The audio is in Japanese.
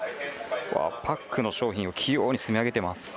パックの商品を器用に積み上げています。